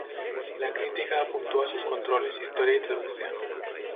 La crítica apuntó a sus controles, historia y traducción.